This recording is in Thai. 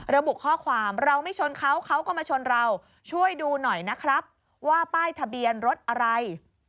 ระบุข้อความเราไม่ชนเขาเขาก็มาชนเราช่วยดูหน่อยนะครับว่าป้ายทะเบียนรถอะไร